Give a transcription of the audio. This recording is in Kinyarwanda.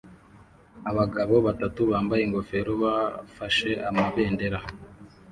Abagabo batatu bambaye ingofero bafashe amabendera